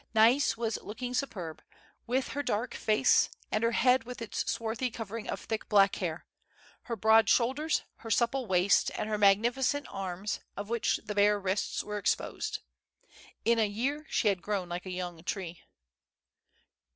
Nais Avas looking superb, Avith her dark face and her head with its swarthy covering of thick black hair ; her broad shoulders, her supple Avaist, and her magnificent arms, of Avhich the bare Avrists Avere exposed. In a year she had grown like a young tree.